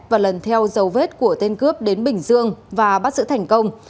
và lần theo dấu vết của tên cướp đến bình dương và bắt giữ thành công